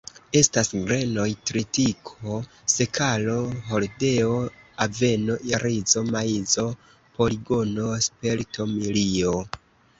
Estas grenoj: tritiko, sekalo, hordeo, aveno, rizo, maizo, poligono, spelto, milio.